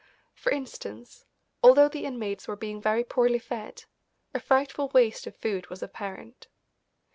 For instance, although the inmates were being very poorly fed, a frightful waste of food was apparent.